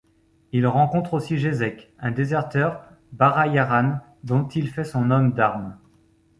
Il rencontre aussi Jesek, un déserteur barrayaran dont il fait son homme d'arme.